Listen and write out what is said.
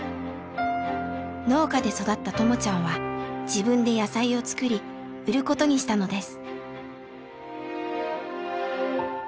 農家で育ったともちゃんは自分で野菜を作り売ることにしたのです。